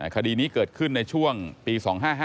คดีนี้เกิดขึ้นในช่วงปี๒๕๕